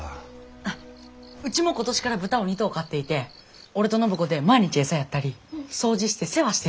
あっうちも今年から豚を２頭飼っていて俺と暢子で毎日餌やったり掃除して世話してるわけ。